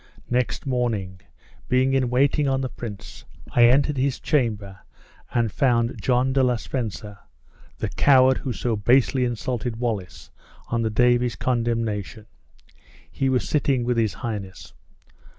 Next morning, being in waiting on the prince, I entered his chamber, and found John le de Spencer (the coward who so basely insulted Wallace on the day of his condemnation); he was sitting with his highness.